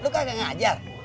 lu kagak ngajar